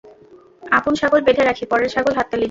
আপন ছাগল বেঁধে রাখি, পরের ছাগল হাততালি দি।